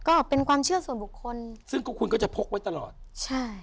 ก็เป็นความเชื่อส่วนบุคคลซึ่งก็คุณก็จะพกไว้ตลอดใช่